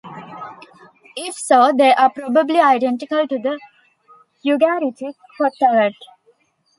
If so, they are probably identical to the Ugaritic Kotharat.